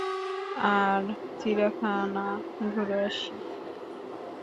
আর চিড়িয়াখানা ঘুরে আসি।